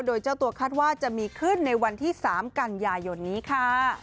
โดยเจ้าตัวคาดว่าจะมีขึ้นในวันที่๓กันยายนนี้ค่ะ